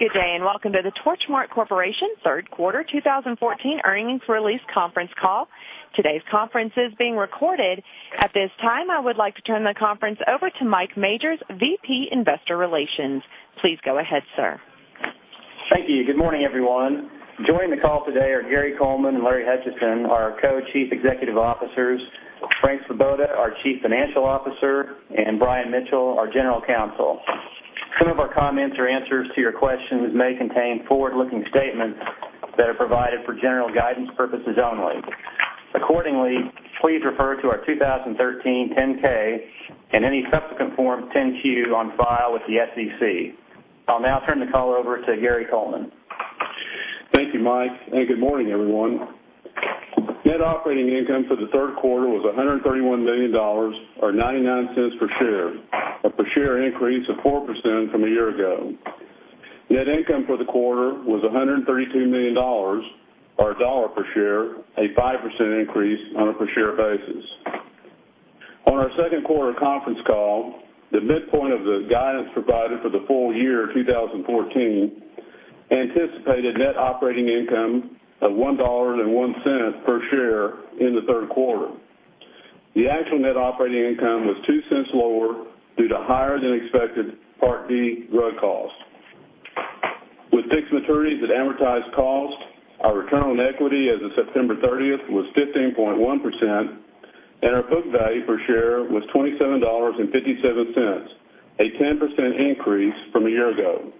Good day, welcome to the Torchmark Corporation third quarter 2014 earnings release conference call. Today's conference is being recorded. At this time, I would like to turn the conference over to Mike Majors, VP Investor Relations. Please go ahead, sir. Thank you. Good morning, everyone. Joining the call today are Gary Coleman and Larry Hutchison, our Co-Chief Executive Officers, Frank Svoboda, our Chief Financial Officer, and Brian Mitchell, our General Counsel. Some of our comments or answers to your questions may contain forward-looking statements that are provided for general guidance purposes only. Accordingly, please refer to our 2013 10-K and any subsequent Form 10-Q on file with the SEC. I'll now turn the call over to Gary Coleman. Thank you, Mike, good morning, everyone. Net operating income for the third quarter was $131 million, or $0.99 per share, a per share increase of 4% from a year ago. Net income for the quarter was $132 million, or $1.00 per share, a 5% increase on a per share basis. On our second quarter conference call, the midpoint of the guidance provided for the full year 2014 anticipated net operating income of $1.01 per share in the third quarter. The actual net operating income was $0.02 lower due to higher than expected Part D drug costs. With fixed maturities at advertised cost, our return on equity as of September 30th was 15.1%, and our book value per share was $27.57, a 10% increase from a year ago.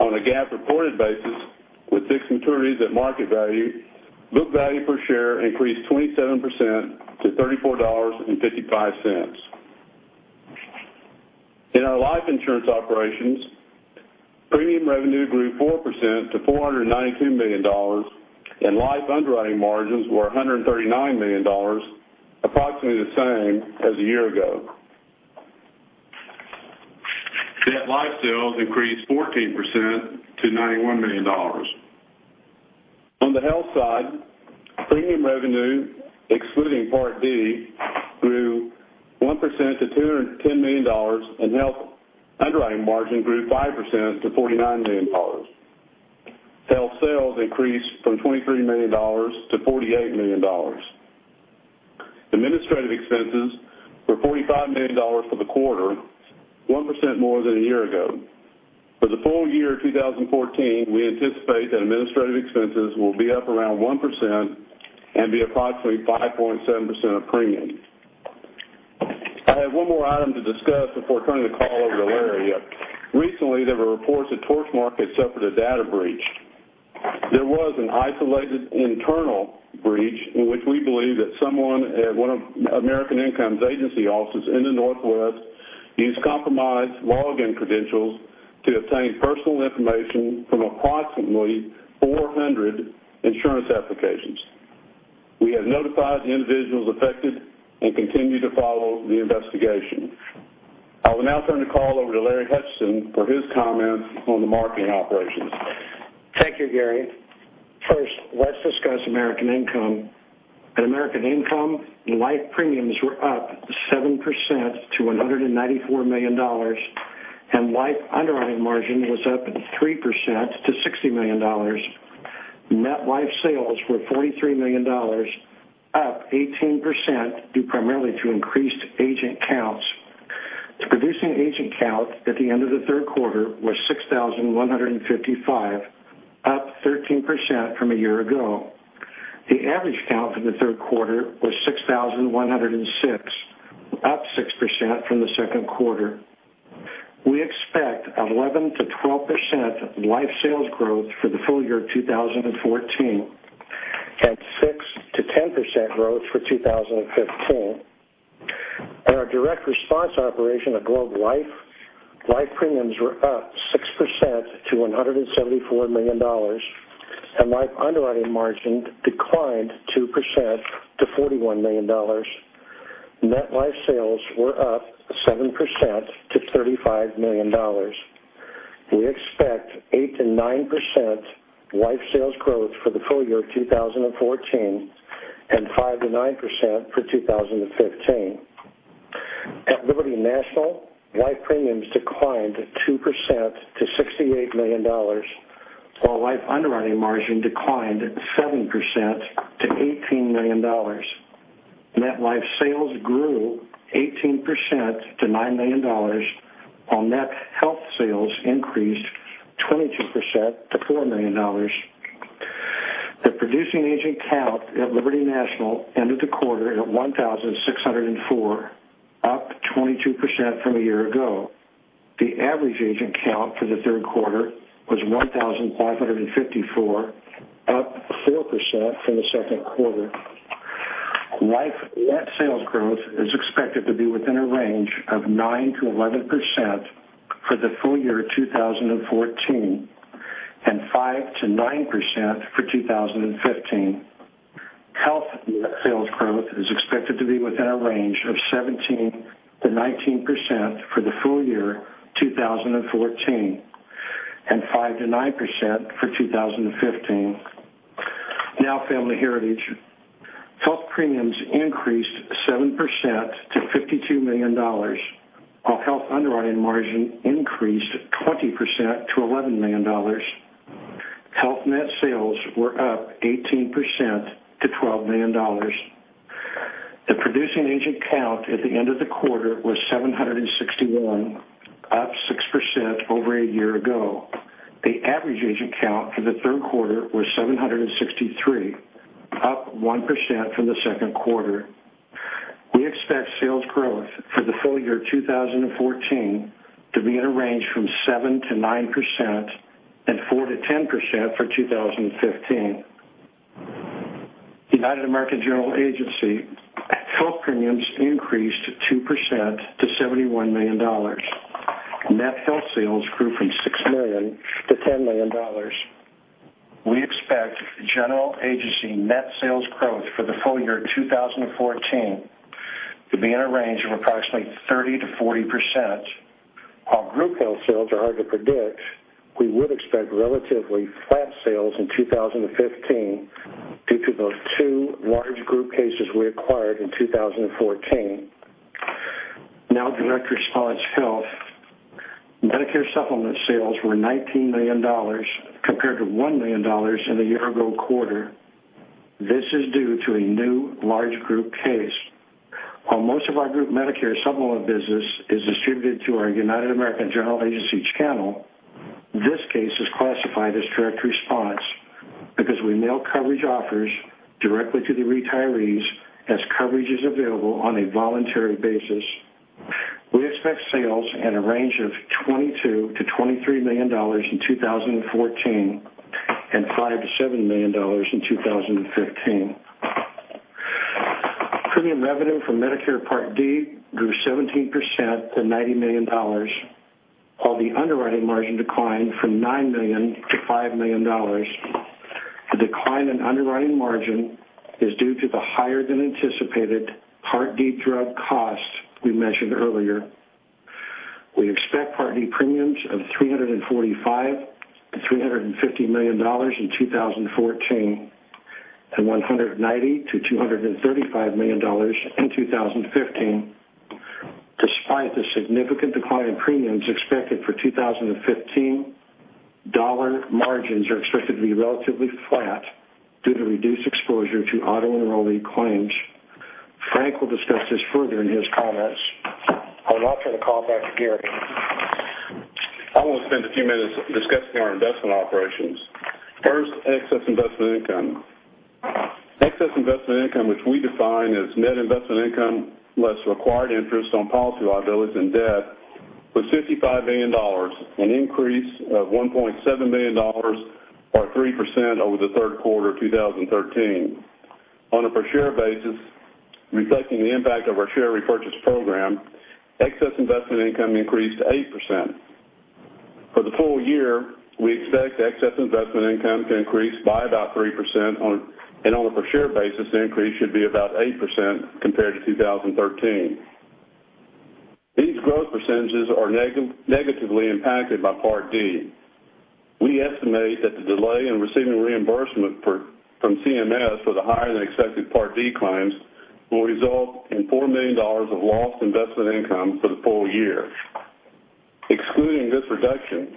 On a GAAP reported basis, with fixed maturities at market value, book value per share increased 27% to $34.55. In our life insurance operations, premium revenue grew 4% to $492 million, life underwriting margins were $139 million, approximately the same as a year ago. Net life sales increased 14% to $91 million. On the health side, premium revenue, excluding Part D, grew 1% to $210 million, health underwriting margin grew 5% to $49 million. Health sales increased from $23 million to $48 million. Administrative expenses were $45 million for the quarter, 1% more than a year ago. For the full year 2014, we anticipate that administrative expenses will be up around 1% and be approximately 5.7% of premium. I have one more item to discuss before turning the call over to Larry. Recently, there were reports that Torchmark had suffered a data breach. There was an isolated internal breach in which we believe that someone at one of American Income's agency offices in the Northwest used compromised login credentials to obtain personal information from approximately 400 insurance applications. We have notified the individuals affected and continue to follow the investigation. I will now turn the call over to Larry Hutchison for his comments on the marketing operations. Thank you, Gary. Let's discuss American Income. At American Income, life premiums were up 7% to $194 million, and life underwriting margin was up 3% to $60 million. Net life sales were $43 million, up 18%, due primarily to increased agent counts. The producing agent count at the end of the third quarter was 6,155, up 13% from a year ago. The average count for the third quarter was 6,106, up 6% from the second quarter. We expect 11%-12% life sales growth for the full year 2014, and 6%-10% growth for 2015. At our Direct Response operation at Globe Life, life premiums were up 6% to $174 million, and life underwriting margin declined 2% to $41 million. Net life sales were up 7% to $35 million. We expect 8%-9% life sales growth for the full year of 2014 and 5%-9% for 2015. At Liberty National, life premiums declined 2% to $68 million, while life underwriting margin declined 7% to $18 million. Net life sales grew 18% to $9 million, while net health sales increased 22% to $4 million. The producing agent count at Liberty National ended the quarter at 1,604, up 22% from a year ago. The average agent count for the third quarter was 1,554, up 4% from the second quarter. Life net sales growth is expected to be within a range of 9%-11% for the full year 2014 and 5%-9% for 2015. Health net sales growth is expected to be within a range of 17%-19% for the full year 2014 and 5%-9% for 2015. Family Heritage. Health premiums increased 7% to $52 million, while health underwriting margin increased 20% to $11 million. Health net sales were up 18% to $12 million. The producing agent count at the end of the quarter was 761, up 6% over a year ago. The average agent count for the third quarter was 763, up 1% from the second quarter. We expect sales growth for the full year 2014 to be in a range from 7%-9% and 4%-10% for 2015. United American General Agency health premiums increased 2% to $71 million. Net health sales grew from $6 million to $10 million. We expect general agency net sales growth for the full year 2014 to be in a range of approximately 30%-40%. While group health sales are hard to predict, we would expect relatively flat sales in 2015 due to the two large group cases we acquired in 2014. Direct Response Health. Medicare supplement sales were $19 million compared to $1 million in the year-ago quarter. This is due to a new large group case. While most of our group Medicare supplement business is distributed to our United American General Agency channel, this case is classified as Direct Response because we mail coverage offers directly to the retirees as coverage is available on a voluntary basis. We expect sales in a range of $22 million-$23 million in 2014 and $5 million-$7 million in 2015. Premium revenue from Medicare Part D grew 17% to $90 million, while the underwriting margin declined from $9 million to $5 million. The decline in underwriting margin is due to the higher-than-anticipated Part D drug costs we mentioned earlier. We expect Part D premiums of $345 million-$350 million in 2014 and $190 million-$235 million in 2015. Despite the significant decline in premiums expected for 2015, dollar margins are expected to be relatively flat due to reduced exposure to auto-enrollee claims. Frank will discuss this further in his comments. I will now turn the call back to Gary. I want to spend a few minutes discussing our investment operations. Excess investment income. Excess investment income, which we define as net investment income less required interest on policy liabilities and debt, was $55 million, an increase of $1.7 million or 3% over the third quarter of 2013. On a per-share basis, reflecting the impact of our share repurchase program, excess investment income increased 8%. For the full year, we expect excess investment income to increase by about 3% and on a per-share basis, the increase should be about 8% compared to 2013. These growth percentages are negatively impacted by Part D. We estimate that the delay in receiving reimbursement from CMS for the higher-than-expected Part D claims will result in $4 million of lost investment income for the full year. Excluding this reduction,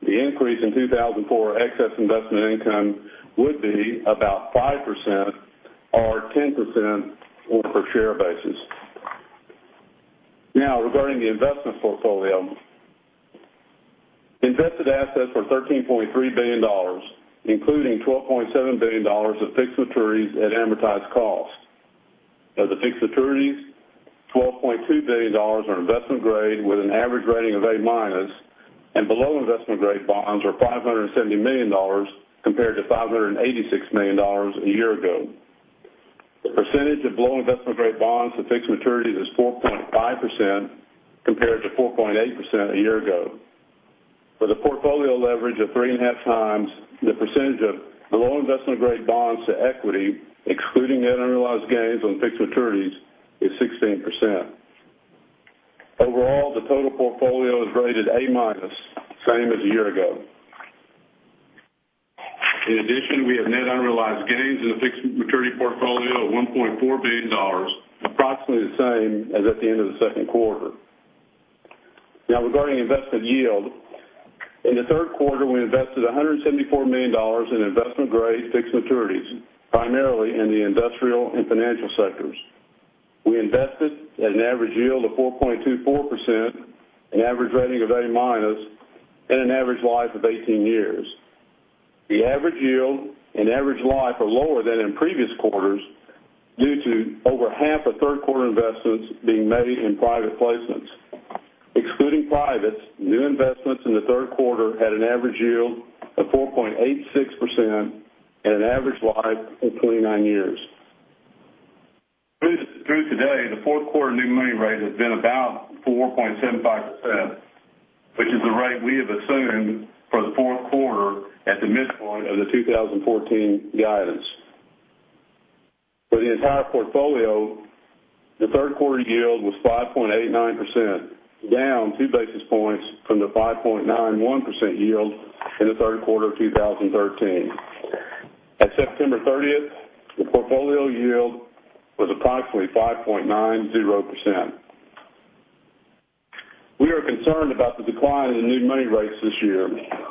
the increase in 2004 excess investment income would be about 5% or 10% on a per-share basis. Regarding the investment portfolio. Invested assets were $13.3 billion, including $12.7 billion of fixed maturities at amortized cost. Of the fixed maturities, $12.2 billion are investment-grade with an average rating of A-minus, and below investment-grade bonds are $570 million compared to $586 million a year ago. The percentage of below investment-grade bonds to fixed maturities is 4.5% compared to 4.8% a year ago. With a portfolio leverage of three and a half times the percentage of below investment-grade bonds to equity, excluding net unrealized gains on fixed maturities, is 16%. Overall, the total portfolio is rated A-minus, same as a year ago. In addition, we have net unrealized gains in the fixed maturity portfolio of $1.4 billion, approximately the same as at the end of the second quarter. Now, regarding investment yield. In the third quarter, we invested $174 million in investment-grade fixed maturities, primarily in the industrial and financial sectors. We invested at an average yield of 4.24%, an average rating of A-minus, and an average life of 18 years. The average yield and average life are lower than in previous quarters due to over half of third-quarter investments being made in private placements. Excluding privates, new investments in the third quarter had an average yield of 4.86% and an average life of 29 years. Through today, the fourth quarter new money rate has been about 4.75%, which is the rate we have assumed for the fourth quarter at the midpoint of the 2014 guidance. For the entire portfolio, the third quarter yield was 5.89%, down two basis points from the 5.91% yield in the third quarter of 2013. At September 30th, the portfolio yield was approximately 5.90%. We are concerned about the decline in the new money rates this year.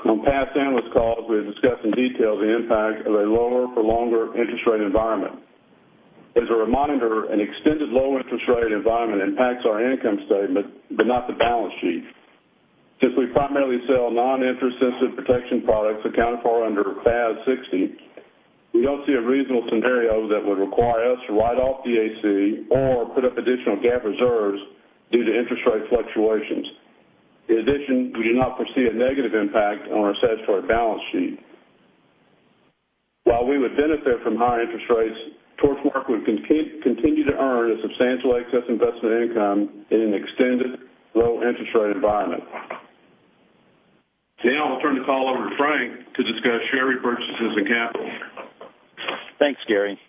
On past analyst calls, we have discussed in detail the impact of a lower for longer interest rate environment. As a reminder, an extended low interest rate environment impacts our income statement, but not the balance sheet. Since we primarily sell non-interest sensitive protection products accounted for under FAS 60, we don't see a reasonable scenario that would require us to write off the AC or put up additional GAAP reserves due to interest rate fluctuations. In addition, we do not foresee a negative impact on our statutory balance sheet. While we would benefit from high interest rates, Torchmark would continue to earn a substantial excess investment income in an extended low interest rate environment. Now I'll turn the call over to Frank to discuss share repurchases and capital. Thanks, Gary.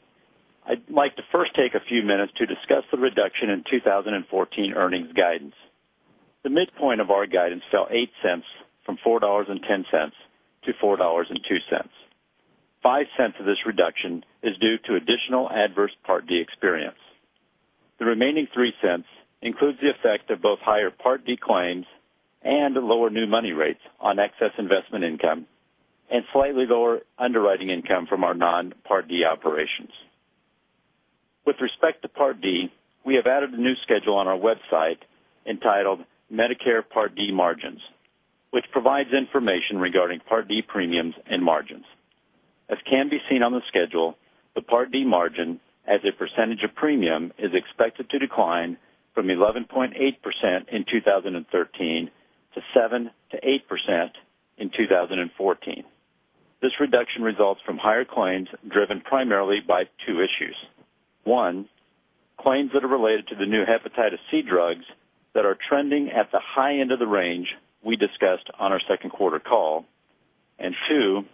I'd like to first take a few minutes to discuss the reduction in 2014 earnings guidance. The midpoint of our guidance fell $0.08 from $4.10 to $4.02. $0.05 of this reduction is due to additional adverse Part D experience. The remaining $0.03 includes the effect of both higher Part D claims and lower new money rates on excess investment income and slightly lower underwriting income from our non-Part D operations. With respect to Part D, we have added a new schedule on our website entitled Medicare Part D Margins, which provides information regarding Part D premiums and margins. As can be seen on the schedule, the Part D margin as a percentage of premium is expected to decline from 11.8% in 2013 to 7%-8% in 2014. This reduction results from higher claims driven primarily by two issues. One, claims that are related to the new hepatitis C drugs that are trending at the high end of the range we discussed on our second quarter call. Two,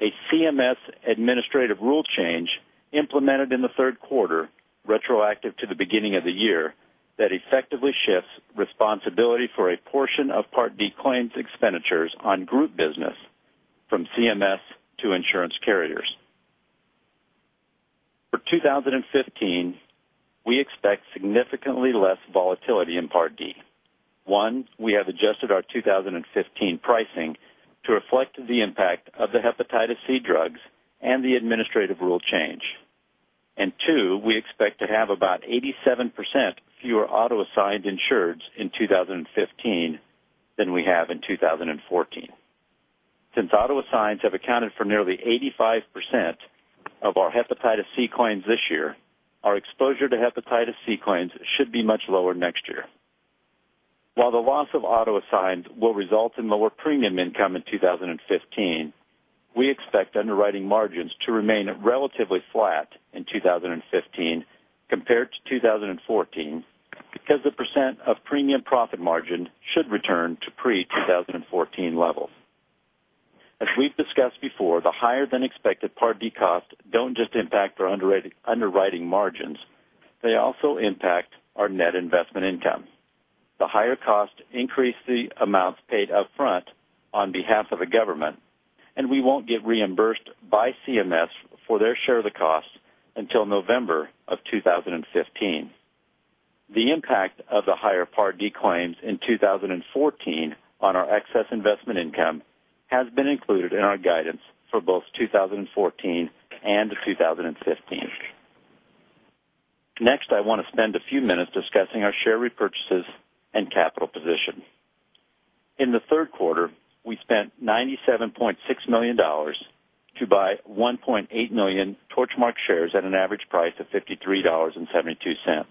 a CMS administrative rule change implemented in the third quarter, retroactive to the beginning of the year, that effectively shifts responsibility for a portion of Part D claims expenditures on group business from CMS to insurance carriers. For 2015, we expect significantly less volatility in Part D. One, we have adjusted our 2015 pricing to reflect the impact of the hepatitis C drugs and the administrative rule change. Two, we expect to have about 87% fewer auto-assigned insureds in 2015 than we have in 2014. Since auto-assigned have accounted for nearly 85% of our hepatitis C claims this year, our exposure to hepatitis C claims should be much lower next year. While the loss of auto-assigned will result in lower premium income in 2015, we expect underwriting margins to remain relatively flat in 2015 compared to 2014 because the percent of premium profit margin should return to pre-2014 levels. As we've discussed before, the higher than expected Part D costs don't just impact our underwriting margins, they also impact our net investment income. The higher cost increase the amounts paid upfront on behalf of the government, and we won't get reimbursed by CMS for their share of the cost until November of 2015. The impact of the higher Part D claims in 2014 on our excess investment income has been included in our guidance for both 2014 and 2015. Next, I want to spend a few minutes discussing our share repurchases and capital position. In the third quarter, we spent $97.6 million to buy 1.8 million Torchmark shares at an average price of $53.72.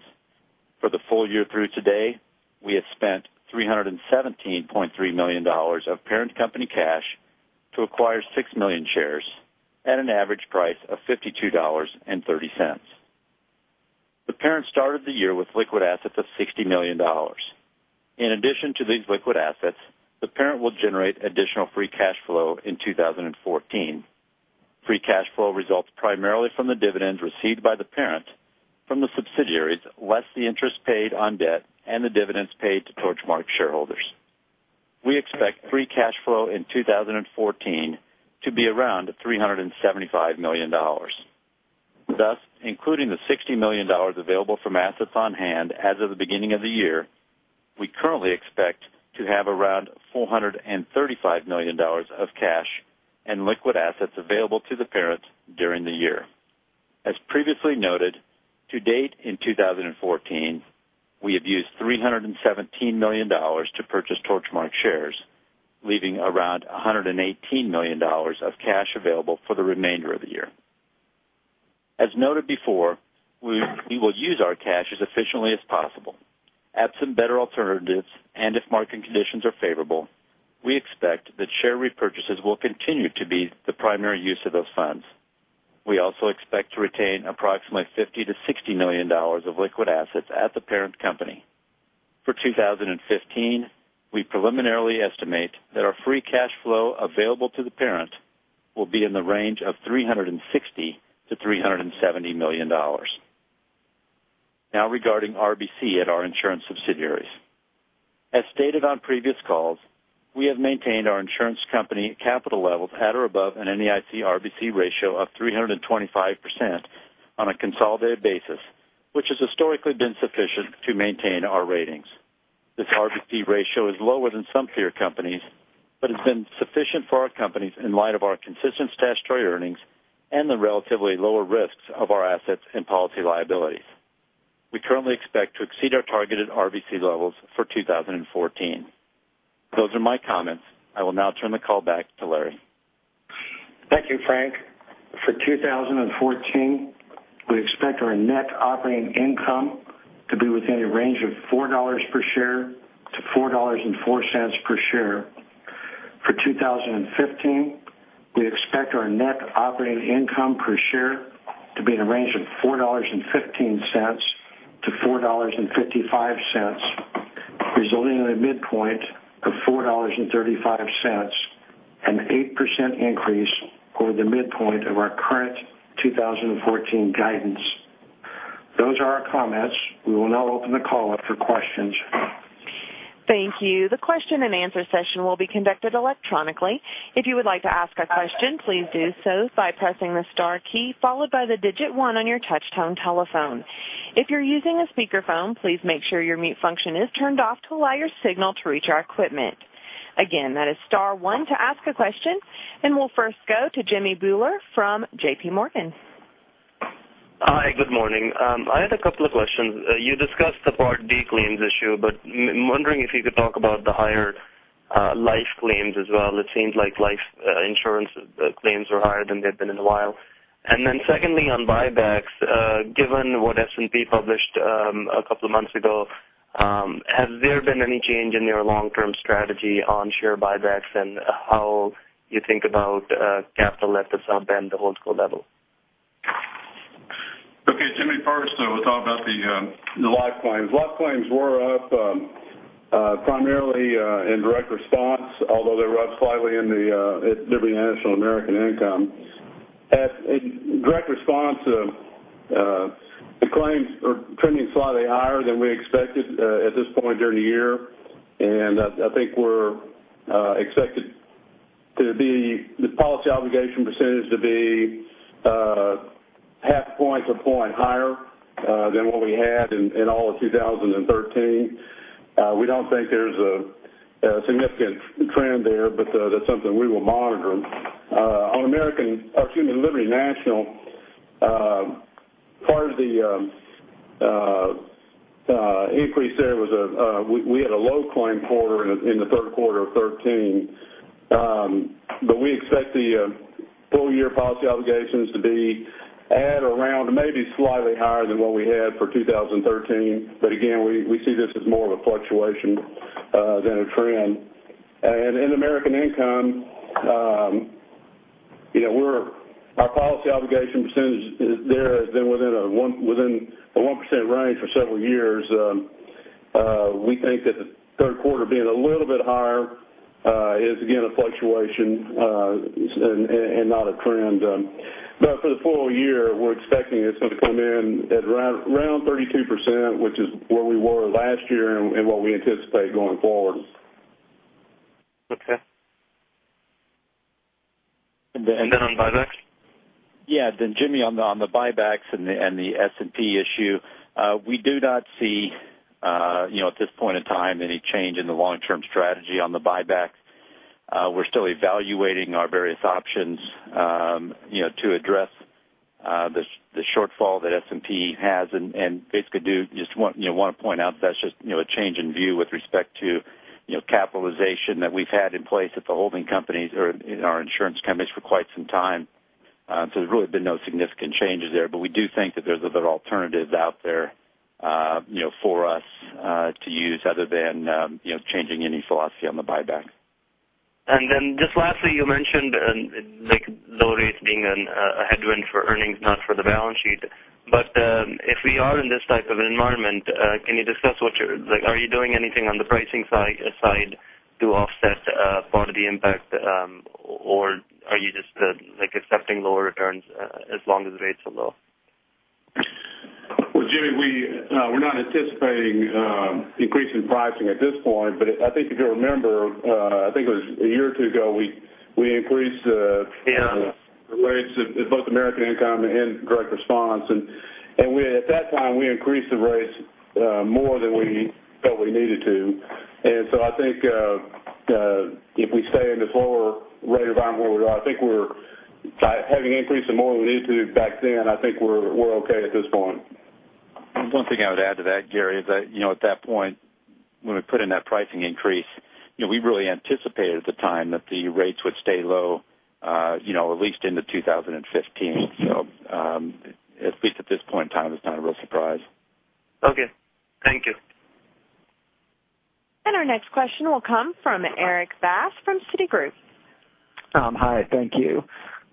For the full year through today, we have spent $317.3 million of parent company cash to acquire 6 million shares at an average price of $52.30. The parent started the year with liquid assets of $60 million. In addition to these liquid assets, the parent will generate additional free cash flow in 2014. Free cash flow results primarily from the dividends received by the parent from the subsidiaries, less the interest paid on debt and the dividends paid to Torchmark shareholders. We expect free cash flow in 2014 to be around $375 million. Thus, including the $60 million available from assets on hand as of the beginning of the year, we currently expect to have around $435 million of cash and liquid assets available to the parent during the year. As previously noted, to date in 2014, we have used $317 million to purchase Torchmark shares, leaving around $118 million of cash available for the remainder of the year. As noted before, we will use our cash as efficiently as possible. Absent better alternatives, and if market conditions are favorable, we expect that share repurchases will continue to be the primary use of those funds. We also expect to retain approximately $50 million-$60 million of liquid assets at the parent company. For 2015, we preliminarily estimate that our free cash flow available to the parent will be in the range of $360 million-$370 million. Now, regarding RBC at our insurance subsidiaries. As stated on previous calls, we have maintained our insurance company capital levels at or above an NAIC RBC ratio of 325% on a consolidated basis, which has historically been sufficient to maintain our ratings. This RBC ratio is lower than some peer companies, but has been sufficient for our companies in light of our consistent statutory earnings and the relatively lower risks of our assets and policy liabilities. We currently expect to exceed our targeted RBC levels for 2014. Those are my comments. I will now turn the call back to Larry. Thank you, Frank. For 2014, we expect our net operating income to be within a range of $4 per share to $4.04 per share. For 2015, we expect our net operating income per share to be in a range of $4.15 to $4.55, resulting in a midpoint of $4.35, an 8% increase over the midpoint of our current 2014 guidance. Those are our comments. We will now open the call up for questions. Thank you. The question-and-answer session will be conducted electronically. If you would like to ask a question, please do so by pressing the star key followed by the digit one on your touchtone telephone. If you're using a speakerphone, please make sure your mute function is turned off to allow your signal to reach our equipment. Again, that is star one to ask a question. We'll first go to Jimmy Bhullar from JPMorgan. Hi, good morning. I had a couple of questions. You discussed the Part D claims issue, but I'm wondering if you could talk about the higher life claims as well. It seems like life insurance claims are higher than they've been in a while. Secondly, on buybacks, given what S&P published a couple of months ago, has there been any change in your long-term strategy on share buybacks and how you think about capital lift and the holdco level? Okay, Jimmy, first we'll talk about the life claims. Life claims were up primarily in Direct Response, although they were up slightly in Liberty National American Income. In Direct Response, the claims are trending slightly higher than we expected at this point during the year, and I think we're expected the policy obligation percentage to be half a point to a point higher than what we had in all of 2013. We don't think there's a significant trend there, but that's something we will monitor. On American opportunity, Liberty National, part of the increase there was we had a low claim quarter in the third quarter of 2013. We expect the full-year policy obligations to be at around, maybe slightly higher than what we had for 2013. Again, we see this as more of a fluctuation than a trend. In American Income, our policy obligation percentage there has been within a 1% range for several years. We think that the third quarter being a little bit higher is again a fluctuation and not a trend. For the full year, we're expecting it's going to come in at around 32%, which is where we were last year and what we anticipate going forward. Okay. On buybacks? Yeah. Jimmy, on the buybacks and the S&P issue, we do not see at this point in time any change in the long-term strategy on the buybacks. We're still evaluating our various options to address the shortfall that S&P has and basically do just want to point out that's just a change in view with respect to capitalization that we've had in place at the holding companies or in our insurance companies for quite some time. There's really been no significant changes there. We do think that there's other alternatives out there for us to use other than changing any philosophy on the buyback. Just lastly, you mentioned low rates being a headwind for earnings, not for the balance sheet. If we are in this type of environment, are you doing anything on the pricing side to offset part of the impact? Are you just accepting lower returns as long as rates are low? Well, Jimmy, we're not anticipating increasing pricing at this point. I think if you'll remember, I think it was a year or two ago, we increased the Yeah rates at both American Income and Direct Response. At that time, we increased the rates more than we felt we needed to. I think if we stay in this lower rate environment where we are, I think having increased it more than we needed to back then, I think we're okay at this point. One thing I would add to that, Gary, is that at that point, when we put in that pricing increase, we really anticipated at the time that the rates would stay low at least into 2015. At least at this point in time, it's not a real surprise. Okay. Thank you. Our next question will come from Erik Bass from Citigroup. Hi, thank you.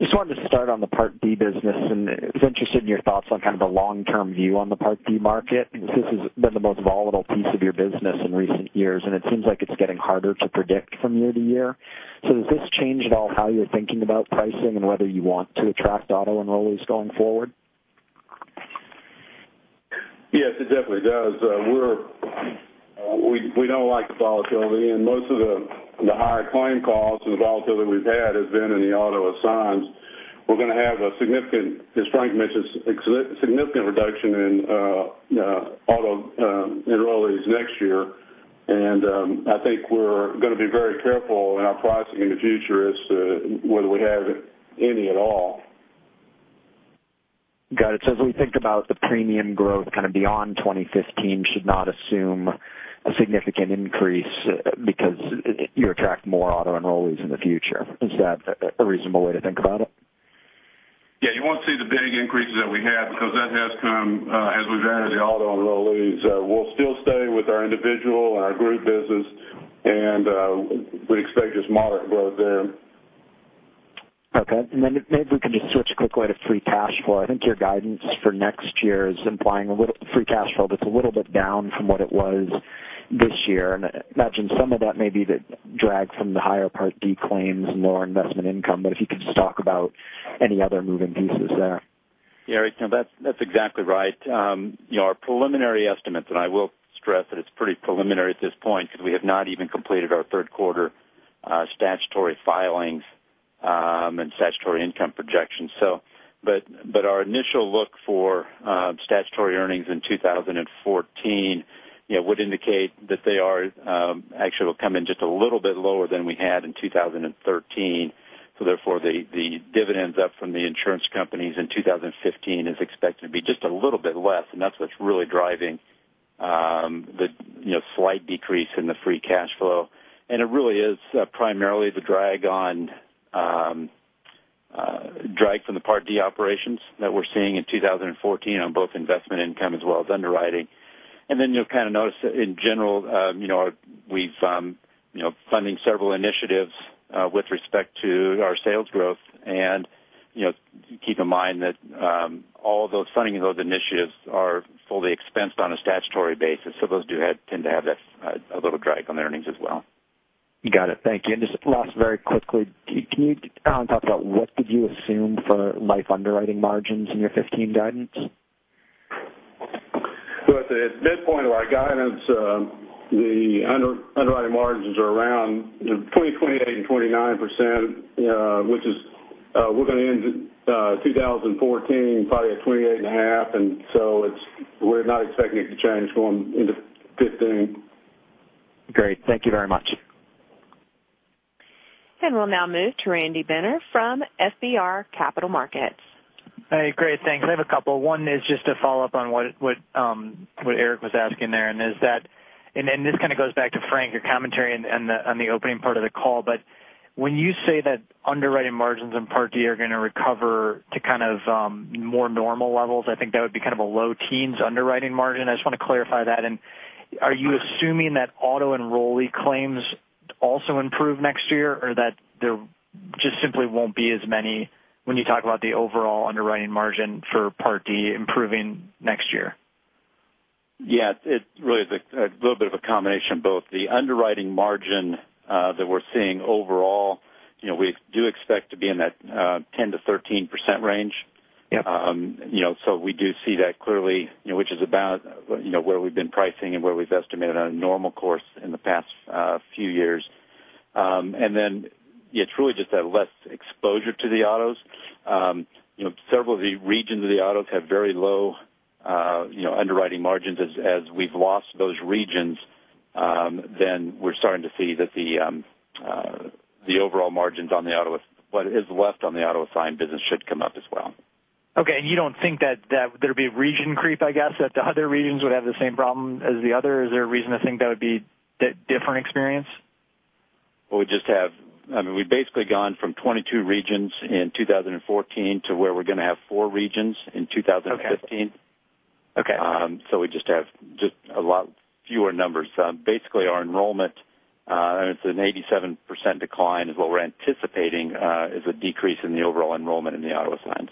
Just wanted to start on the Part D business and was interested in your thoughts on kind of the long-term view on the Part D market, because this has been the most volatile piece of your business in recent years, and it seems like it's getting harder to predict from year to year. Does this change at all how you're thinking about pricing and whether you want to attract auto enrollees going forward? Yes, it definitely does. We don't like the volatility, and most of the higher claim costs and the volatility we've had has been in the auto assigns. We're going to have, as Frank mentioned, a significant reduction in auto enrollees next year. I think we're going to be very careful in our pricing in the future as to whether we have any at all. Got it. As we think about the premium growth kind of beyond 2015, should not assume a significant increase because you attract more auto enrollees in the future. Is that a reasonable way to think about it? Yeah, you won't see the big increases that we had because that has come as we've added the auto enrollees. We'll still stay with our individual and our group business, and we expect just moderate growth there. Okay, maybe if we can just switch quickly to free cash flow. I think your guidance for next year is implying free cash flow that's a little bit down from what it was this year, and I imagine some of that may be the drag from the higher Part D claims and lower investment income. If you could just talk about any other moving pieces there. Erik, that's exactly right. Our preliminary estimates, and I will stress that it's pretty preliminary at this point because we have not even completed our third quarter statutory filings and statutory income projections. Our initial look for statutory earnings in 2014 would indicate that they actually will come in just a little bit lower than we had in 2013. The dividends up from the insurance companies in 2015 is expected to be just a little bit less, and that's what's really driving the slight decrease in the free cash flow. It really is primarily the drag from the Part D operations that we're seeing in 2014 on both investment income as well as underwriting. You'll kind of notice in general, we're funding several initiatives with respect to our sales growth, keep in mind that all those funding initiatives are fully expensed on a statutory basis. Those do tend to have a little drag on the earnings as well. Got it. Thank you. Just last, very quickly, can you talk about what did you assume for life underwriting margins in your 2015 guidance? At this point of our guidance, the underwriting margins are around 28%-29%, which we're going to end 2014 probably at 28.5%. We're not expecting it to change going into 2015. Great. Thank you very much. We'll now move to Randy Binner from FBR Capital Markets. Hey, great, thanks. I have a couple. One is just to follow up on what Erik Bass was asking there, and this kind of goes back to Frank Svoboda, your commentary on the opening part of the call. When you say that underwriting margins in Part D are going to recover to kind of more normal levels, I think that would be kind of a low teens underwriting margin. I just want to clarify that. Are you assuming that auto enrollee claims also improve next year, or that there just simply won't be as many when you talk about the overall underwriting margin for Part D improving next year? Yeah, it really is a little bit of a combination of both. The underwriting margin that we're seeing overall, we do expect to be in that 10%-13% range. Yep. We do see that clearly, which is about where we've been pricing and where we've estimated on a normal course in the past few years. Then it's really just that less exposure to the autos. Several of the regions of the autos have very low underwriting margins. As we've lost those regions, then we're starting to see that what is left on the auto assign business should come up as well. Okay, you don't think that there'd be a region creep, I guess, that the other regions would have the same problem as the other? Is there a reason to think that would be different experience? We've basically gone from 22 regions in 2014 to where we're going to have four regions in 2015. Okay. We just have a lot fewer numbers. Basically, our enrollment, and it's an 87% decline, is what we're anticipating is a decrease in the overall enrollment in the auto assigns.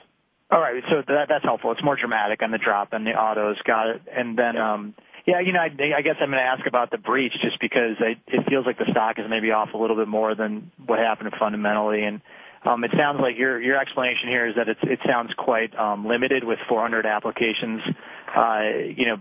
All right. That's helpful. It's more dramatic on the drop on the autos. Got it. Yeah. I guess I'm going to ask about the breach, just because it feels like the stock is maybe off a little bit more than what happened fundamentally. It sounds like your explanation here is that it sounds quite limited with 400 applications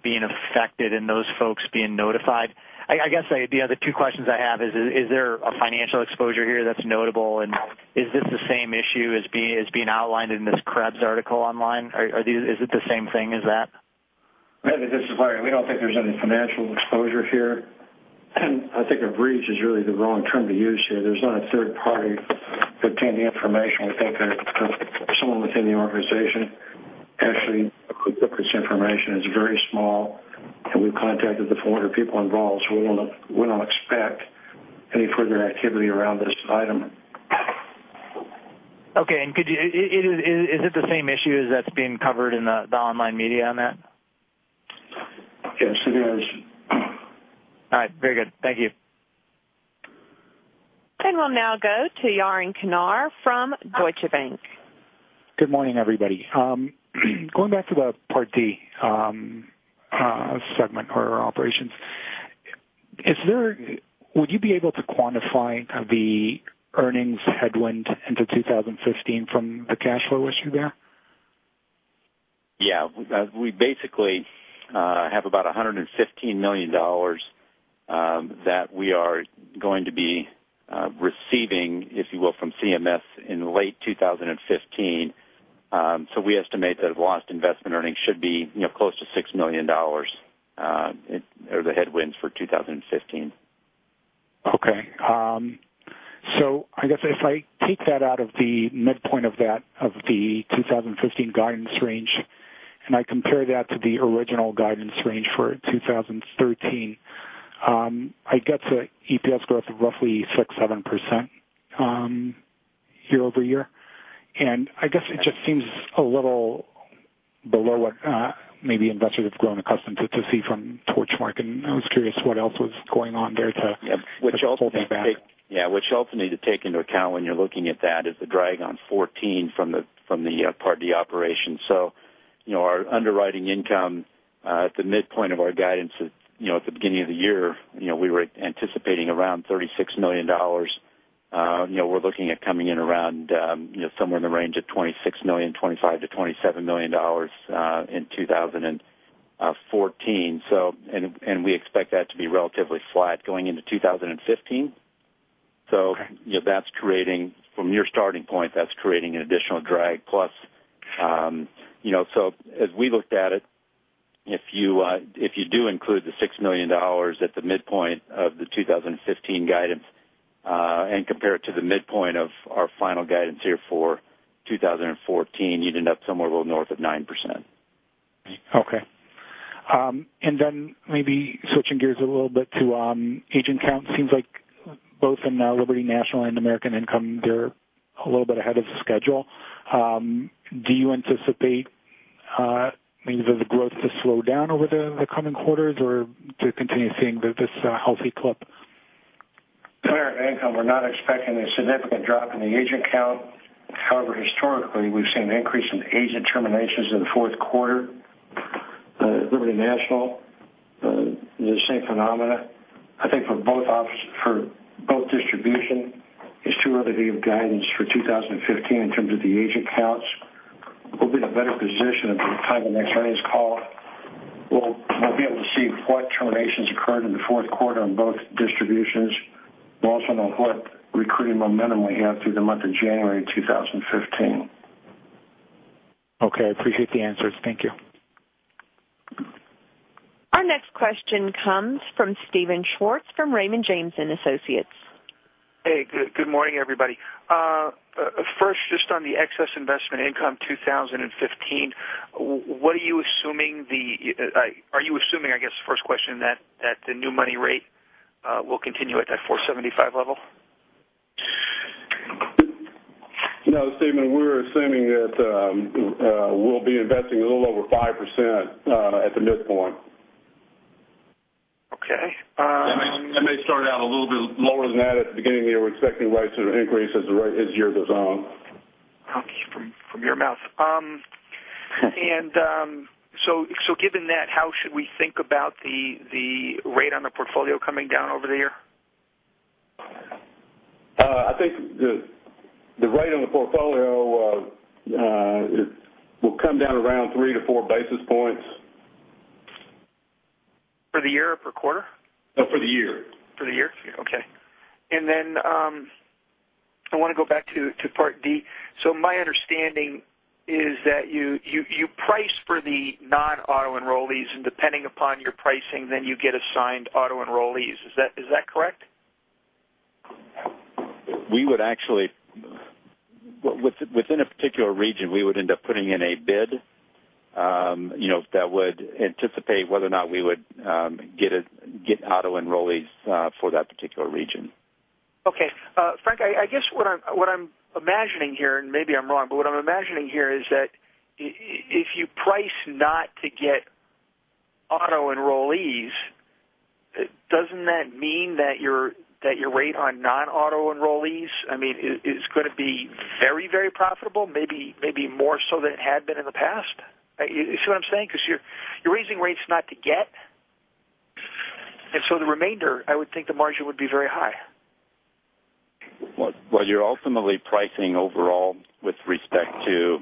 being affected and those folks being notified. I guess the other two questions I have is there a financial exposure here that's notable, and is this the same issue as being outlined in this Krebs article online? Is it the same thing as that? This is Larry. We don't think there's any financial exposure here. I think a breach is really the wrong term to use here. There's not a third party obtaining information. We think that someone within the organization actually took this information. It's very small, and we've contacted the 400 people involved, we don't expect any further activity around this item. Okay. Is it the same issue as that's being covered in the online media on that? Okay. There's All right. Very good. Thank you. We'll now go to Yaron Kinar from Deutsche Bank. Good morning, everybody. Going back to the Part D segment or operations, would you be able to quantify the earnings headwind into 2015 from the cash flow issue there? Yeah. We basically have about $115 million that we are going to be receiving, if you will, from CMS in late 2015. We estimate that lost investment earnings should be close to $6 million or the headwinds for 2015. Okay. I guess if I take that out of the midpoint of the 2015 guidance range, I compare that to the original guidance range for 2013, I get the EPS growth of roughly 6%-7% year-over-year. I guess it just seems a little below what maybe investors have grown accustomed to see from Torchmark, and I was curious what else was going on there to Yeah. Which ultimately Hold that back. Yeah. Which ultimately to take into account when you're looking at that is the drag on 2014 from the Part D operation. Our underwriting income at the midpoint of our guidance at the beginning of the year, we were anticipating around $36 million. We're looking at coming in around somewhere in the range of $26 million, $25 million-$27 million in 2014. We expect that to be relatively flat going into 2015. Okay. From your starting point, that's creating an additional drag plus. As we looked at it, if you do include the $6 million at the midpoint of the 2015 guidance, and compare it to the midpoint of our final guidance here for 2014, you'd end up somewhere a little north of 9%. Okay. Then maybe switching gears a little bit to agent count. Seems like both in Liberty National and American Income, they're a little bit ahead of the schedule. Do you anticipate maybe the growth to slow down over the coming quarters, or do you continue seeing this healthy clip? American Income, we're not expecting a significant drop in the agent count. However, historically, we've seen an increase in agent terminations in the fourth quarter. Liberty National, the same phenomena. I think for both distribution, it's too early to give guidance for 2015 in terms of the agent counts. We'll be in a better position at the time of next earnings call. We'll be able to see what terminations occurred in the fourth quarter on both distributions. We'll also know what recruiting momentum we have through the month of January 2015. Okay. I appreciate the answers. Thank you. Our next question comes from Steven Schwartz from Raymond James & Associates. Hey. Good morning, everybody. First, just on the excess investment income 2015, are you assuming, I guess, first question, that the new money rate will continue at that 475 level? No, Steven, we're assuming that we'll be investing a little over 5% at the midpoint. Okay. It may start out a little bit lower than that at the beginning of the year. We're expecting rates to increase as the year goes on. Okay. From your mouth. Given that, how should we think about the rate on the portfolio coming down over the year? I think the rate on the portfolio will come down around three to four basis points. For the year or per quarter? For the year. For the year? Okay. I want to go back to Part D. My understanding is that you price for the non-auto enrollees, and depending upon your pricing, you get assigned auto enrollees. Is that correct? Within a particular region, we would end up putting in a bid that would anticipate whether or not we would get auto enrollees for that particular region. Okay. Frank, I guess what I'm imagining here, and maybe I'm wrong, but what I'm imagining here is that if you price not to get auto enrollees, doesn't that mean that your rate on non-auto enrollees is going to be very profitable, maybe more so than it had been in the past? You see what I'm saying? Because you're raising rates not to get. The remainder, I would think the margin would be very high. Well, you're ultimately pricing overall with respect to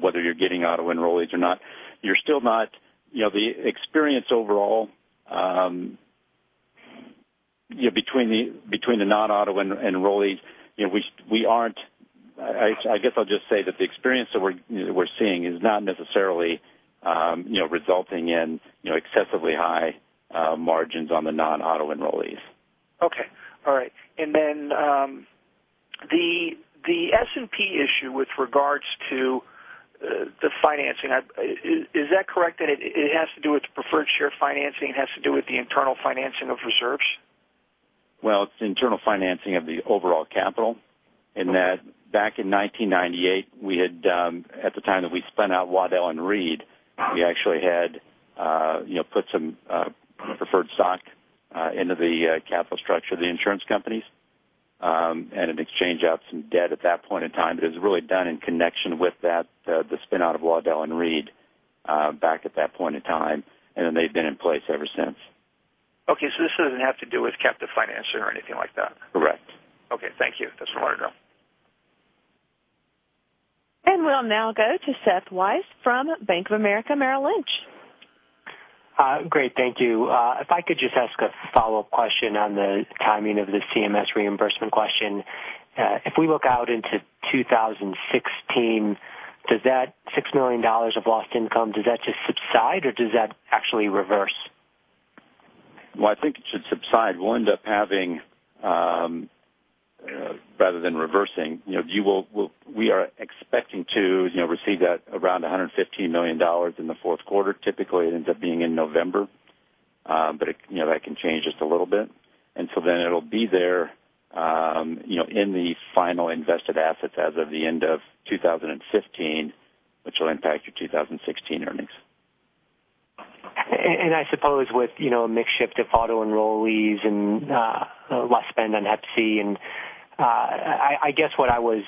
whether you're getting auto enrollees or not. The experience overall between the non-auto enrollees, I guess I'll just say that the experience that we're seeing is not necessarily resulting in excessively high margins on the non-auto enrollees. Okay. All right. The S&P issue with regards to the financing. Is that correct that it has to do with the preferred share financing, it has to do with the internal financing of reserves? Well, it's internal financing of the overall capital, in that back in 1998, at the time that we spun out Waddell & Reed, we actually had put some preferred stock into the capital structure of the insurance companies, in exchange out some debt at that point in time. It was really done in connection with the spin out of Waddell & Reed back at that point in time, they've been in place ever since. Okay. This doesn't have to do with captive financing or anything like that? Correct. Okay. Thank you. That's all I got. We'll now go to Seth Weiss from Bank of America Merrill Lynch. Great. Thank you. If I could just ask a follow-up question on the timing of the CMS reimbursement question. If we look out into 2016, does that $6 million of lost income, does that just subside or does that actually reverse? Well, I think it should subside. We'll end up having, rather than reversing, we are expecting to receive that around $115 million in the fourth quarter. Typically, it ends up being in November. That can change just a little bit. It'll be there in the final invested assets as of the end of 2015, which will impact your 2016 earnings. I suppose with a mix shift of auto enrollees and less spend on Hep C, I guess what I was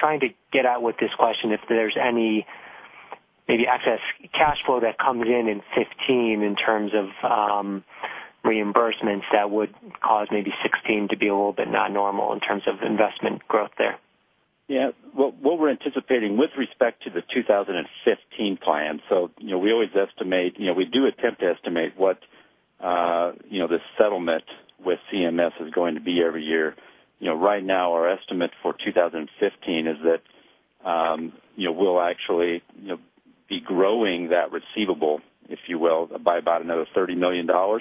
trying to get at with this question, if there's any maybe excess cash flow that comes in in 2015 in terms of reimbursements that would cause maybe 2016 to be a little bit not normal in terms of investment growth there? Yeah. What we're anticipating with respect to the 2015 plan, we always estimate, we do attempt to estimate what the settlement with CMS is going to be every year. Right now our estimate for 2015 is that we'll actually be growing that receivable, if you will, by about another $30 million. Over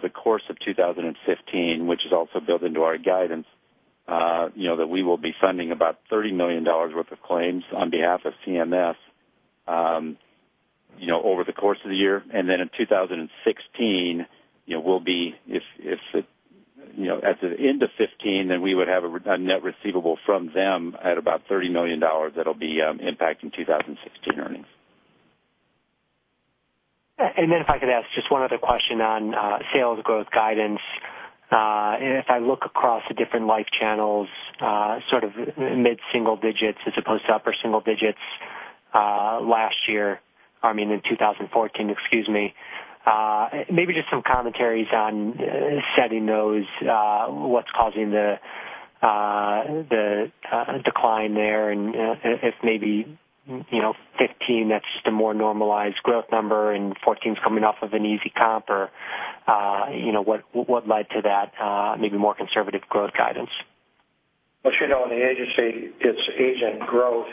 the course of 2015, which is also built into our guidance, that we will be funding about $30 million worth of claims on behalf of CMS, over the course of the year. In 2016, at the end of 2015, then we would have a net receivable from them at about $30 million that'll be impacting 2016 earnings. If I could ask just one other question on sales growth guidance. If I look across the different life channels, sort of mid-single digits as opposed to upper single digits last year, I mean in 2014, excuse me. Maybe just some commentaries on setting those, what's causing the decline there and if maybe 2015, that's just a more normalized growth number and 2014's coming off of an easy comp or what led to that maybe more conservative growth guidance? As you know, in the agency, it's agent growth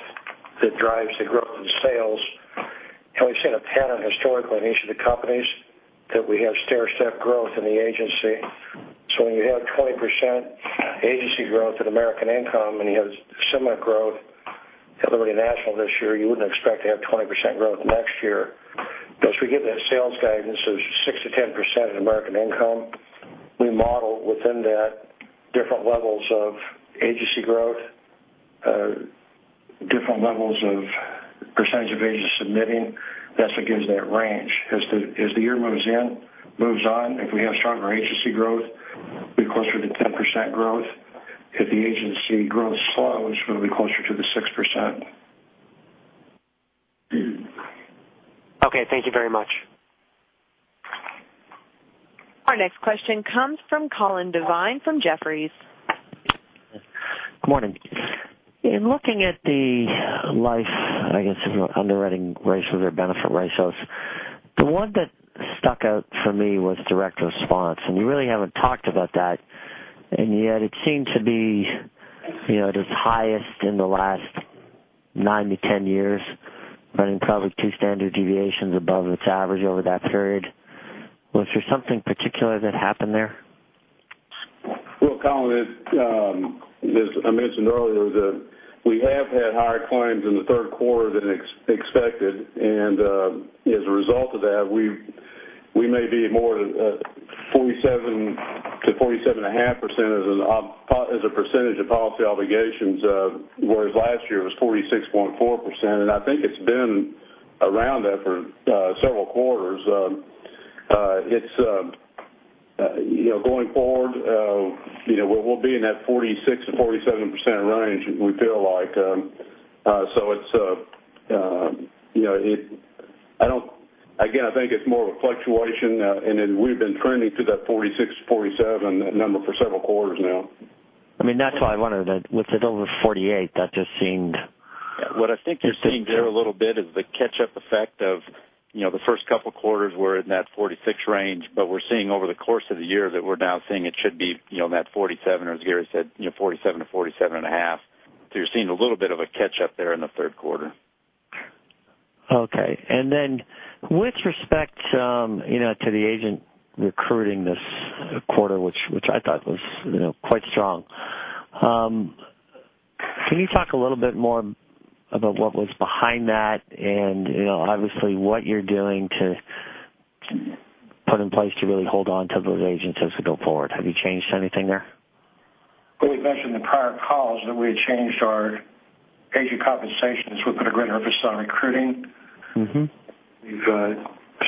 that drives the growth in sales. We've seen a pattern historically in each of the companies that we have stair-step growth in the agency. When you have 20% agency growth at American Income and you have similar growth at Liberty National this year, you wouldn't expect to have 20% growth next year. We give that sales guidance of six to 10% at American Income. We model within that different levels of agency growth, different levels of percentage of agents submitting. That's what gives that range. As the year moves on, if we have stronger agency growth, we'll be closer to 10% growth. If the agency growth slows, we'll be closer to the 6%. Okay. Thank you very much. Our next question comes from Colin Devine from Jefferies. Good morning. In looking at the life, I guess, underwriting ratios or benefit ratios, the one that stuck out for me was Direct Response, and you really haven't talked about that, and yet it seemed to be at its highest in the last nine to 10 years, running probably two standard deviations above its average over that period. Was there something particular that happened there? Well, Colin, as I mentioned earlier, that we have had higher claims in the third quarter than expected. As a result of that, we may be more to 47%-47.5% as a percentage of policy obligations, whereas last year it was 46.4%. I think it's been around that for several quarters. Going forward, we'll be in that 46%-47% range, we feel like. Again, I think it's more of a fluctuation. Then we've been trending to that 46 to 47 number for several quarters now. That's why I wondered that with it over 48, that just seemed- What I think you're seeing there a little bit is the catch-up effect of the first couple of quarters were in that 46 range. We're seeing over the course of the year that we're now seeing it should be in that 47, or as Gary said, 47 to 47 and a half. You're seeing a little bit of a catch-up there in the third quarter. Okay. With respect to the agent recruiting this quarter, which I thought was quite strong. Can you talk a little bit more about what was behind that and obviously what you're doing to put in place to really hold onto those agents as we go forward? Have you changed anything there? Well, we've mentioned in the prior calls that we had changed our agent compensations. We put a greater emphasis on recruiting. We've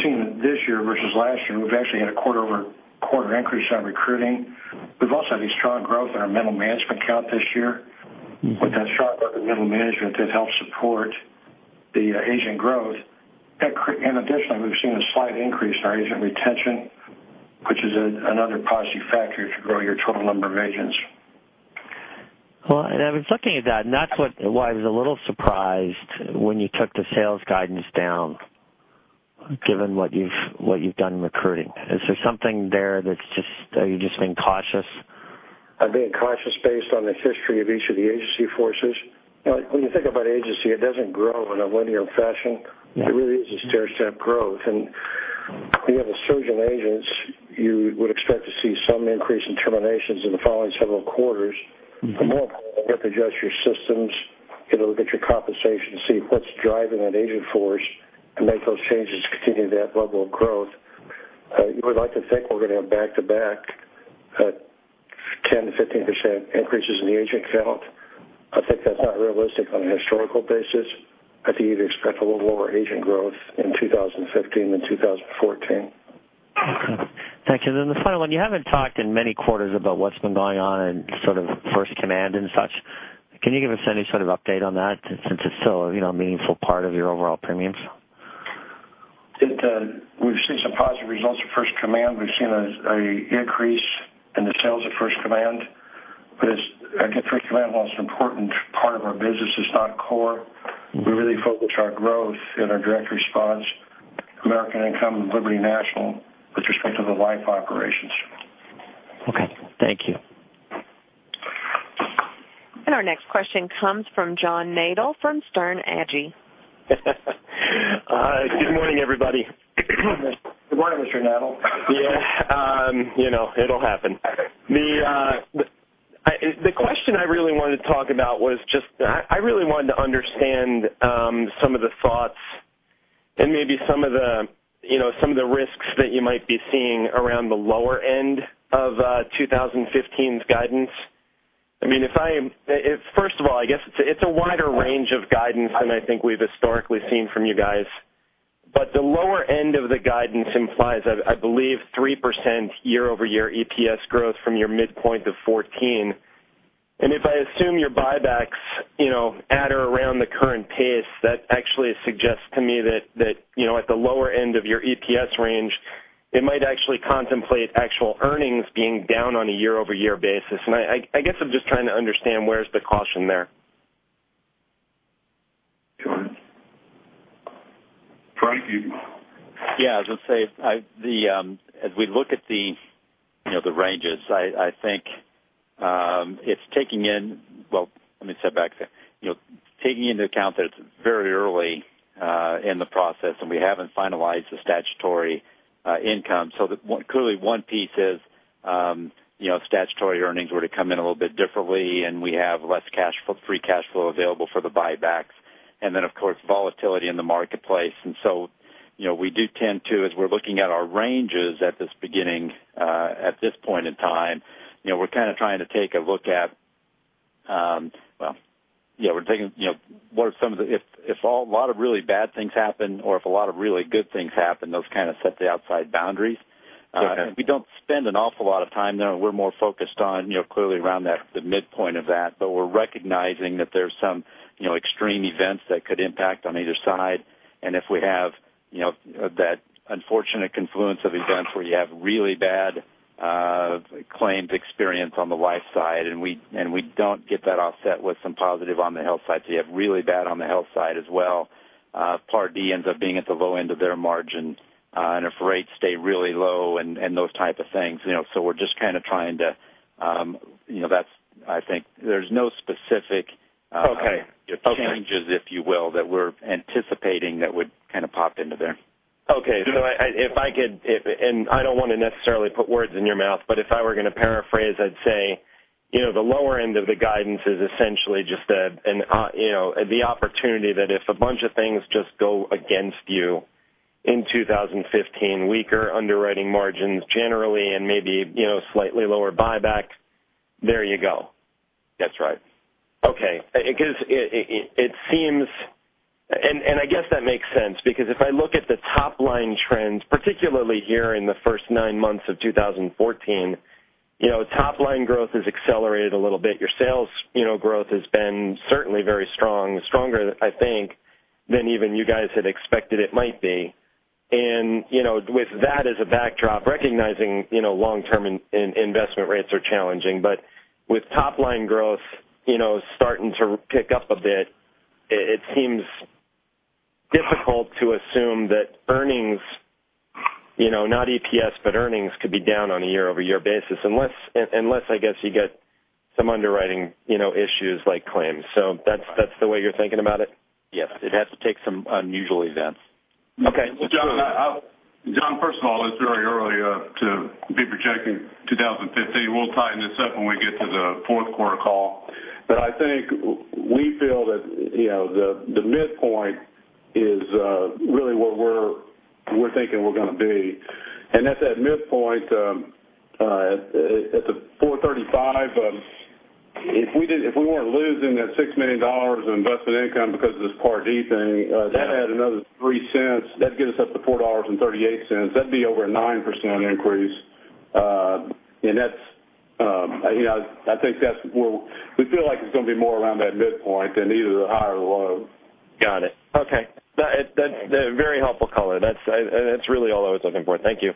seen this year versus last year, we've actually had a quarter-over-quarter increase on recruiting. We've also had a strong growth in our middle management count this year. With that strong growth in middle management that helps support the agent growth. In addition, we've seen a slight increase in our agent retention, which is another positive factor to grow your total number of agents. Well, and I was looking at that, and that's why I was a little surprised when you took the sales guidance down, given what you've done in recruiting. Is there something there that you're just being cautious? I'm being cautious based on the history of each of the agency forces. When you think about agency, it doesn't grow in a linear fashion. Yeah. It really is a stair-step growth. When you have a surge in agents, you would expect to see some increase in terminations in the following several quarters. More importantly, you have to adjust your systems. Get a look at your compensation to see what's driving that agent force, and make those changes to continue that level of growth. You would like to think we're going to have back-to-back 10%-15% increases in the agent count. I think that's not realistic on a historical basis. I think you'd expect a little lower agent growth in 2015 than 2014. Okay. Thank you. The final one, you haven't talked in many quarters about what's been going on in First Command and such. Can you give us any sort of update on that since it's still a meaningful part of your overall premiums? We've seen some positive results from First Command. We've seen an increase in the sales of First Command, again, First Command, while it's an important part of our business, it's not core. We really focus our growth in our Direct Response, American Income and Liberty National with respect to the life operations. Okay. Thank you. Our next question comes from John Nadel from Sterne Agee. Good morning, everybody. Good morning, Mr. Nadel. Yeah. It'll happen. The question I really wanted to talk about was just I really wanted to understand some of the thoughts and maybe some of the risks that you might be seeing around the lower end of 2015's guidance. First of all, I guess it's a wider range of guidance than I think we've historically seen from you guys. The lower end of the guidance implies, I believe, 3% year-over-year EPS growth from your midpoint of 2014. If I assume your buybacks at or around the current pace, that actually suggests to me that at the lower end of your EPS range, it might actually contemplate actual earnings being down on a year-over-year basis. I guess I'm just trying to understand where is the caution there? Frank? Yeah. As I say, as we look at the ranges, I think it's, well, let me step back. Taking into account that it's very early in the process, and we haven't finalized the statutory income. Clearly one piece is if statutory earnings were to come in a little bit differently, and we have less free cash flow available for the buybacks, and then, of course, volatility in the marketplace. We do tend to, as we're looking at our ranges at this beginning, at this point in time, we're kind of trying to take a look at, well, if a lot of really bad things happen or if a lot of really good things happen, those kind of set the outside boundaries. Okay. We don't spend an awful lot of time there. We're more focused on clearly around the midpoint of that. We're recognizing that there's some extreme events that could impact on either side. If we have that unfortunate confluence of events where you have really bad claims experience on the life side, and we don't get that offset with some positive on the health side. You have really bad on the health side as well. Part D ends up being at the low end of their margin, and if rates stay really low and those type of things. We're just kind of trying to, there's no specific- Okay changes, if you will, that we're anticipating that would kind of pop into there. Okay. I don't want to necessarily put words in your mouth, but if I were going to paraphrase, I'd say, the lower end of the guidance is essentially just the opportunity that if a bunch of things just go against you in 2015, weaker underwriting margins generally, and maybe slightly lower buyback. There you go. That's right. Okay. I guess that makes sense because if I look at the top-line trends, particularly here in the first nine months of 2014, top-line growth has accelerated a little bit. Your sales growth has been certainly very strong, stronger, I think, than even you guys had expected it might be. With that as a backdrop, recognizing long-term investment rates are challenging, but with top-line growth starting to pick up a bit, it seems difficult to assume that earnings, not EPS, but earnings could be down on a year-over-year basis unless I guess you get some underwriting issues like claims. That's the way you're thinking about it? Yes. It has to take some unusual events. Okay. John, first of all, it's very early to be projecting 2015. We'll tighten this up when we get to the fourth quarter call. I think we feel that the midpoint is really where we're thinking we're going to be. At that midpoint, at the $4.35, if we weren't losing that $6 million in investment income because of this Part D thing, that add another $0.03, that'd get us up to $4.38. That'd be over a 9% increase. We feel like it's going to be more around that midpoint than either the high or the low. Got it. Okay. That's very helpful color. That's really all I was looking for. Thank you.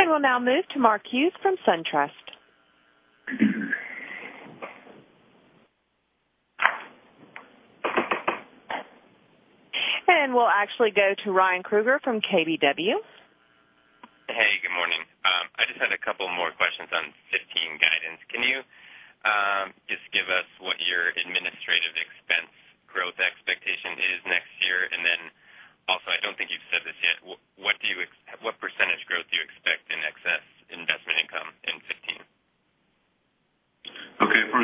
I will now move to Mark Hughes from SunTrust. We'll actually go to Ryan Krueger from KBW. Hey, good morning. I just had a couple more questions on 2015 guidance. Can you just give us what your administrative expense growth expectation is next year? Then also, I don't think you've said this yet, what % growth do you expect in excess investment income in 2015? Okay. For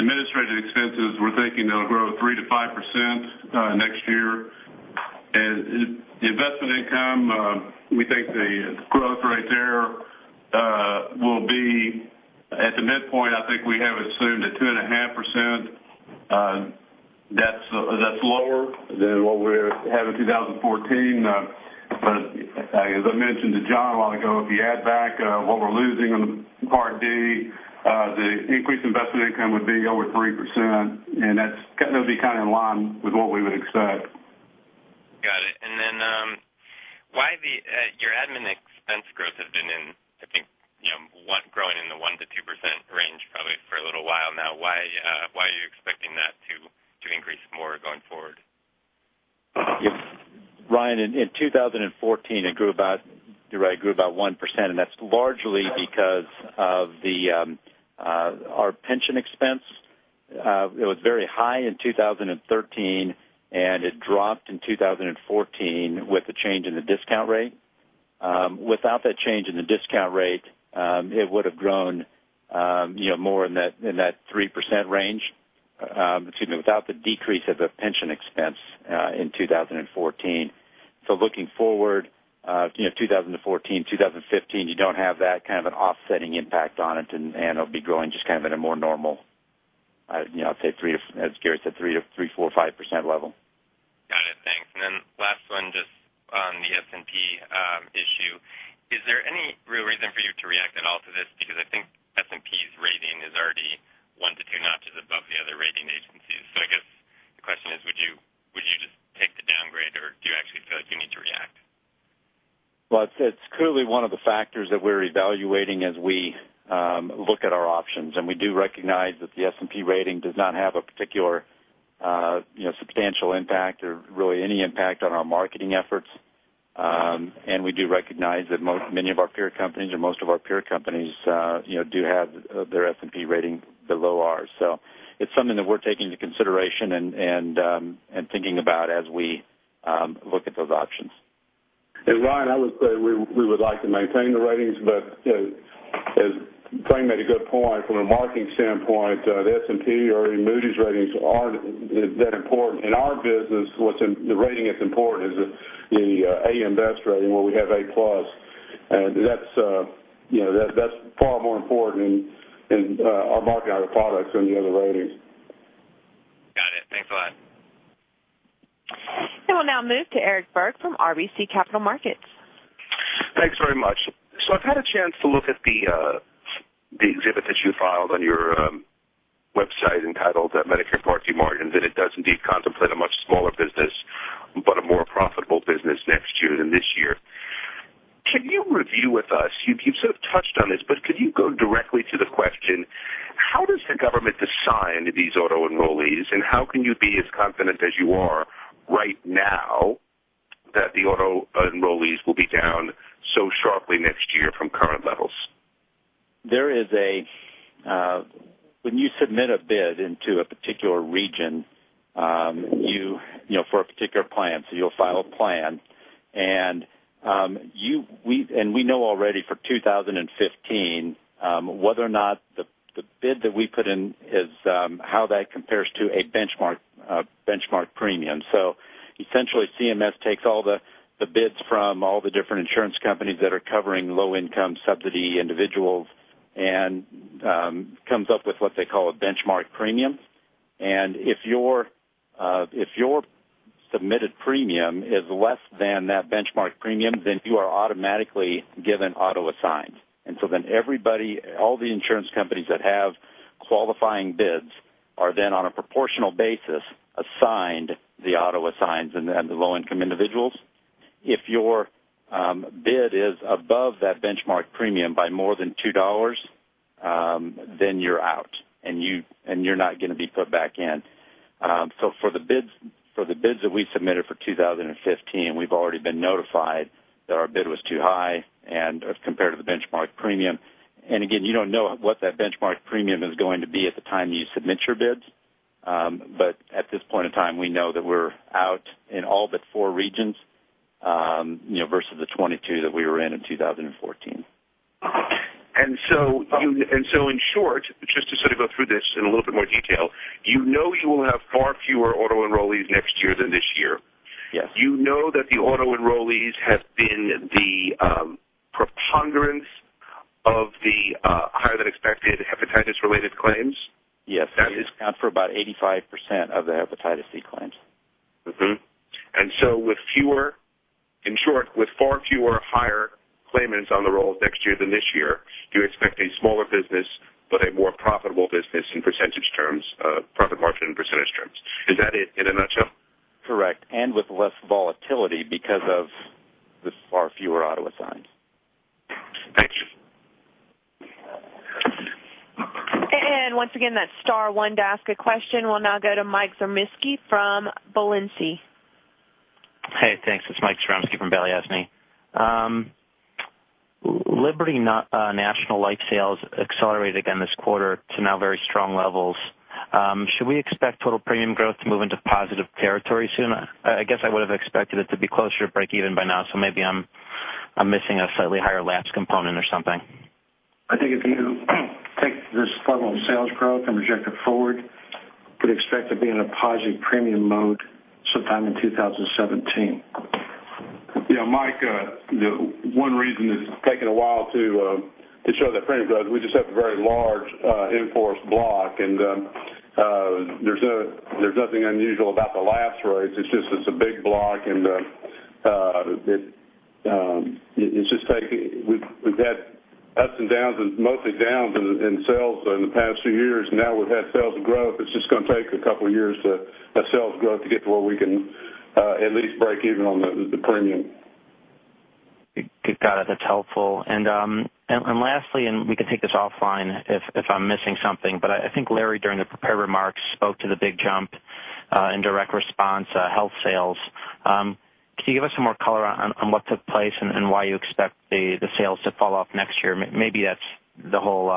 administrative expenses, we're thinking that'll grow 3%-5% next year. Investment income, we think the growth rate there will be at the midpoint, I think we have assumed a 2.5%. That's lower than what we had in 2014. As I mentioned to John a while ago, if you add back what we're losing on the Part D, the increased investment income would be over 3%, and that's going to be in line with what we would expect. Got it. Your admin expense growth has been in, I think, growing in the 1%-2% range probably for a little while now. Why are you expecting that to increase more going forward? Ryan, in 2014, it grew about 1%, that's largely because of our pension expense. It was very high in 2013, it dropped in 2014 with the change in the discount rate. Without that change in the discount rate, it would've grown more in that 3% range, excuse me, without the decrease of the pension expense in 2014. Looking forward, 2014, 2015, you don't have that kind of an offsetting impact on it'll be growing just at a more normal, I'd say, as Gary said, 3%, 4%, 5% level. Got it. Thanks. Last one, just on the S&P issue, is there any real reason for you to react at all to this? Because I think S&P's rating is already one to two notches above the other rating agencies. I guess the question is, would you just take the downgrade, or do you actually feel like you need to react? Well, it's clearly one of the factors that we're evaluating as we look at our options, we do recognize that the S&P rating does not have a particular substantial impact or really any impact on our marketing efforts. We do recognize that many of our peer companies or most of our peer companies do have their S&P rating below ours. It's something that we're taking into consideration and thinking about as we look at those options. Ryan, I would say we would like to maintain the ratings, but as Frank made a good point from a marketing standpoint, the S&P or Moody's ratings aren't that important. In our business, the rating that's important is the AM Best rating, where we have A+, and that's far more important in our marketing of our products than the other ratings. Got it. Thanks a lot. We'll now move to Eric Berg from RBC Capital Markets. Thanks very much. I've had a chance to look at the exhibit that you filed on your website entitled the Medicare Part D margin, that it does indeed contemplate a much smaller business but a more profitable business next year than this year. Can you review with us, you've touched on this, but could you go directly to the question, how does the government assign these auto enrollees, and how can you be as confident as you are right now that the auto enrollees will be down so sharply next year from current levels? When you submit a bid into a particular region for a particular plan, you'll file a plan, and we know already for 2015, whether or not the bid that we put in is how that compares to a benchmark premium. Essentially, CMS takes all the bids from all the different insurance companies that are covering low-income subsidy individuals and comes up with what they call a benchmark premium. If your submitted premium is less than that benchmark premium, you are automatically given auto assigned. All the insurance companies that have qualifying bids are then on a proportional basis, assigned the auto assigns and the low-income individuals. If your bid is above that benchmark premium by more than $2, you're out, and you're not going to be put back in. For the bids that we submitted for 2015, we've already been notified that our bid was too high compared to the benchmark premium. Again, you don't know what that benchmark premium is going to be at the time you submit your bids. At this point in time, we know that we're out in all but four regions, versus the 22 that we were in in 2014. In short, just to go through this in a little bit more detail, you know you will have far fewer auto enrollees next year than this year. Yes. You know that the auto enrollees have been the preponderance of the higher-than-expected hepatitis related claims? Yes. They account for about 85% of the hepatitis C claims. Mm-hmm. In short, with far fewer higher claimants on the rolls next year than this year, you expect a smaller business but a more profitable business in percentage terms, profit margin in percentage terms. Is that it in a nutshell? Correct, with less volatility because of the far fewer auto assigned. Thanks. Once again, that's star one to ask a question. We'll now go to Mike Zaremski from Balyasny. Hey, thanks. It's Mike Zaremski from Balyasny. Liberty National life sales accelerated again this quarter to now very strong levels. Should we expect total premium growth to move into positive territory soon? I guess I would have expected it to be closer to breakeven by now, so maybe I'm missing a slightly higher lapse component or something. I think if you take this level of sales growth and project it forward, could expect to be in a positive premium mode sometime in 2017. Yeah, Mike, one reason it's taken a while to show that premium growth, we just have a very large in-force block, and there's nothing unusual about the lapse rates. It's just a big block, and we've had ups and downs, and mostly downs in sales in the past few years. We've had sales growth. It's just going to take a couple of years of sales growth to get to where we can at least break even on the premium. Got it. That's helpful. Lastly, and we can take this offline if I'm missing something, but I think Larry, during the prepared remarks, spoke to the big jump in Direct Response health sales. Can you give us some more color on what took place and why you expect the sales to fall off next year? Maybe that's the whole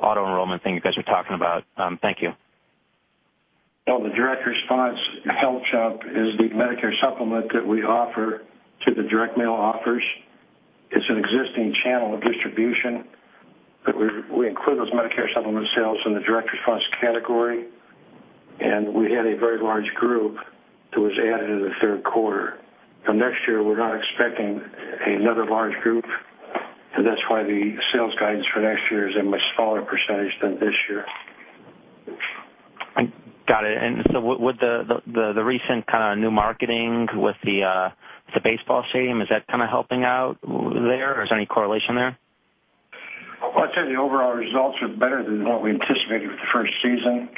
auto-enrollment thing you guys are talking about. Thank you. The Direct Response health jump is the Medicare supplement that we offer to the direct mail offers. It's an existing channel of distribution that we include those Medicare supplement sales in the Direct Response category, and we had a very large group that was added in the third quarter. Next year, we're not expecting another large group, and that's why the sales guidance for next year is a much smaller % than this year. Got it. With the recent kind of new marketing with the baseball stadium, is that kind of helping out there? Is there any correlation there? I'd say the overall results are better than what we anticipated for the first season.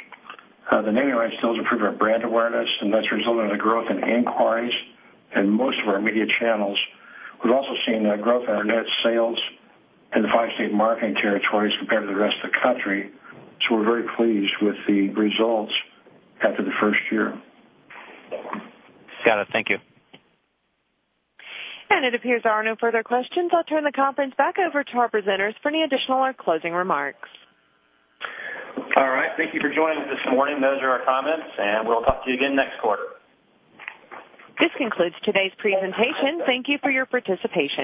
The naming rights deals improved our brand awareness, and that's resulting in a growth in inquiries in most of our media channels. We've also seen a growth in our net sales in the five-state marketing territories compared to the rest of the country. We're very pleased with the results after the first year. Got it. Thank you. It appears there are no further questions. I'll turn the conference back over to our presenters for any additional or closing remarks. All right. Thank you for joining us this morning. Those are our comments, and we'll talk to you again next quarter. This concludes today's presentation. Thank you for your participation.